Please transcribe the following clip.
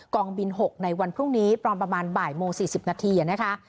องบิน๖ในวันพรุ่งนี้ตอนประมาณบ่ายโมง๔๐นาทีนะคะ